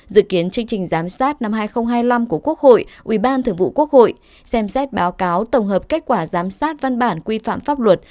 dự kiến chương trình giám sát năm hai nghìn hai mươi năm của quốc hội ủy ban thường vụ quốc hội xem xét báo cáo tổng hợp kết quả giám sát văn bản quy phạm pháp luật